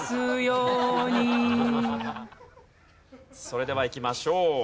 それではいきましょう。